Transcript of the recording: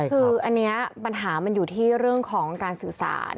คืออันนี้ปัญหามันอยู่ที่เรื่องของการสื่อสาร